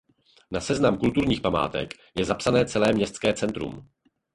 Na seznam kulturních památek je zapsané celé městské centrum.